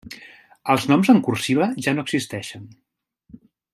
Els noms en cursiva ja no existeixen.